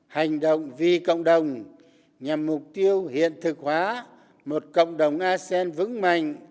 hành động vì cộng đồng nhằm mục tiêu hiện thực hóa một cộng đồng asean vững mạnh